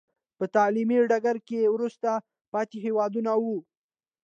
په تعلیمي ډګر کې وروسته پاتې هېوادونه وو.